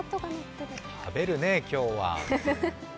食べるねえ、今日は。